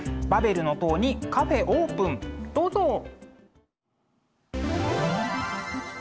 「バベルの塔にカフェＯＰＥＮ」どうぞ！